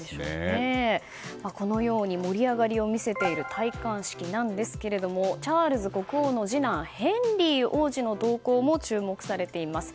このように盛り上がりを見せている戴冠式ですがチャールズ国王の次男ヘンリー王子の動向も注目されています。